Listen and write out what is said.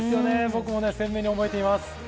僕も鮮明に覚えています。